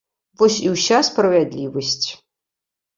Вось і ўся справядлівасць.